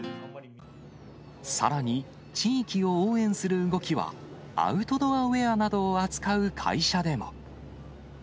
さらに、地域を応援する動きは、アウトドアウエアなどを扱う会社でも。